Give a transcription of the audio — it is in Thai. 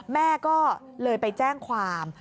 แม่ก็เลยไปแจ้งความ